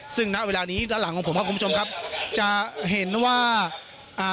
ซึ่งณเวลานี้ด้านหลังของผมครับคุณผู้ชมครับจะเห็นว่าอ่า